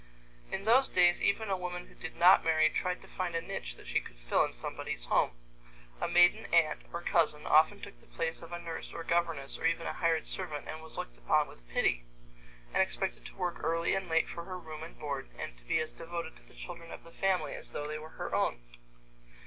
In those days even a woman who did not marry tried to find a niche that she could fill in somebody's home. A maiden aunt or cousin often took the place of a nurse or governess or even a hired servant and was looked upon with pity, and expected to work early and late for her room and board, and to be as devoted to the children of the family as though they were her own.